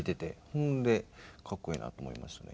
ほんでかっこええなと思いましたね。